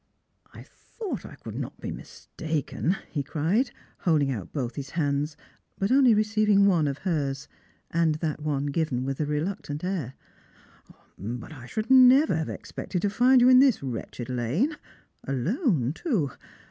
" I thought I could not be mistaken," he cried, holding out both his hands, but only receiving one of hers, and that one given with a reluctant air ;" but I should never have expected to find you in this wretched lane — alone, too.